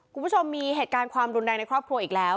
คุณผู้ชมมีเหตุการณ์ความรุนแรงในครอบครัวอีกแล้ว